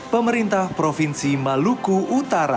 pemerintah provinsi maluku utara